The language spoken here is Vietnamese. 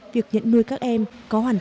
việc nhận nuôi các em có hoàn cảnh